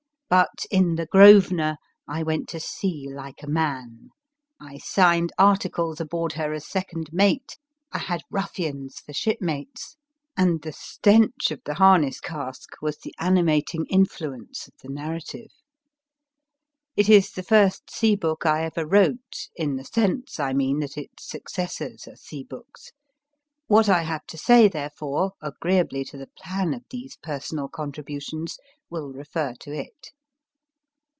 But in the * Grosvenor I went to sea like a man ; I signed articles aboard her as second mate ; I had ruffians for ship mates, and the stench of the harness cask was the animating CI.ARK RUSSELL AS A MIDSHIPMAN OF SKY EN TEEN MY FIRST BOOK influence of the narrative. It is the first sea book I ever wrote, in the sense, I mean, that its successors are sea books : what I have to say, therefore, agreeably to the plan of these personal contributions, will refer to it.